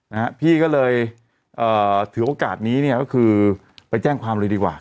นะฮะพี่ก็เลยเอ่อถือโอกาสนี้เนี่ยก็คือไปแจ้งความเลยดีกว่า